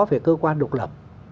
phải cơ quan độc lập